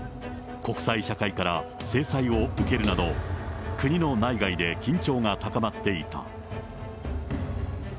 国際社会から制裁を受けるなど、国の内外で緊張が高まっていた。